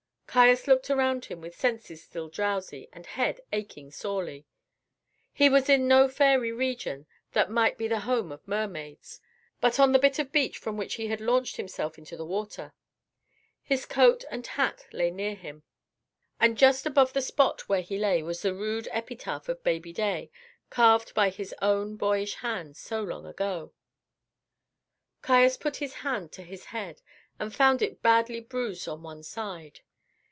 Caius looked around him with senses still drowsy and head aching sorely. He was in no fairy region that might be the home of mermaids, but on the bit of beach from which he had launched himself into the water. His coat and hat lay near him, and just above the spot where he lay was the rude epitaph of baby Day, carved by his own boyish hand so long ago. Caius put his hand to his head, and found it badly bruised on one side.